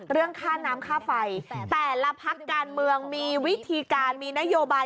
เรื่องค่าน้ำค่าไฟแต่ละพักการเมืองมีวิธีการมีนโยบาย